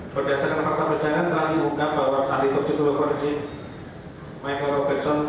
berdasarkan pertamakan telah diungkap bahwa aliturksik prok prasik michael robertson